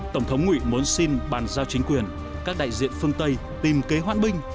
tổng thống nguyễn muốn xin bàn giao chính quyền các đại diện phương tây tìm kế hoãn binh